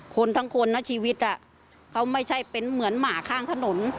คนทั้งคนนะชีวิตเขาไม่ใช่เป็นเหมือนหมาข้างถนน